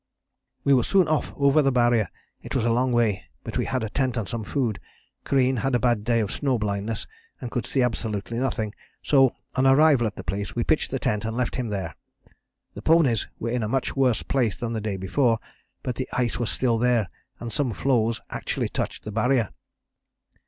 We were soon off over the Barrier. It was a long way, but we had a tent and some food. Crean had a bad day of snow blindness, and could see absolutely nothing. So, on arrival at the place, we pitched the tent and left him there. The ponies were in a much worse place than the day before, but the ice was still there, and some floes actually touched the Barrier.